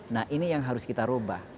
nah ini yang harus kita ubah